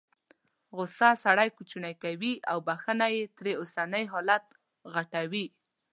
غوسه سړی کوچنی کوي او بخښنه یې تر اوسني حالت غټوي.